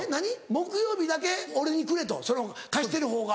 「木曜日だけ俺にくれ」とその貸してるほうが。